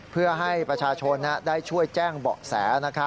เพื่อให้ประชาชนได้ช่วยแจ้งเบาะแส